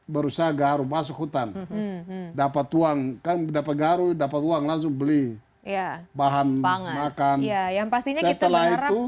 berusaha garum masuk hutan dapat uang dapat uang langsung beli bahan makan yang pastinya